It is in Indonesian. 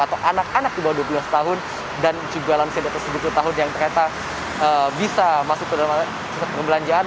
atau anak anak di bawah dua puluh satu tahun dan juga dalam sisi data tujuh puluh tahun yang ternyata bisa masuk ke dalam sisi perbelanjaan